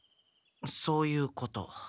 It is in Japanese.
そういうこと。